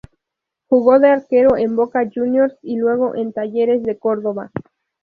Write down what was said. Jugó de arquero en Boca Juniors y luego en Talleres de Córdoba.